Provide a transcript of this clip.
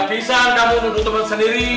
tega pisang kamu menutupkan sendiri